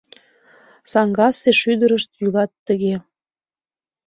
Саҥгасе шӱдырышт йӱлат тыге.